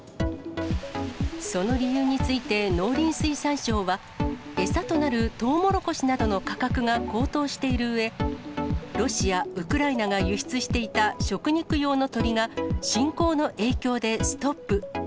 その理由について、農林水産省は、餌となるトウモロコシなどの価格が高騰しているうえ、ロシア、ウクライナが輸出していた食肉用の鶏が侵攻の影響でストップ。